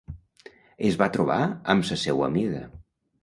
Es va trobar amb sa seua amiga